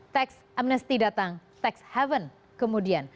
tax amnesty datang tax haven kemudian